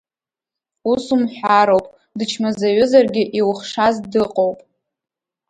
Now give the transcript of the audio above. Ус умҳәароуп, дычмазаҩызаргьы иухшаз дыҟоуп.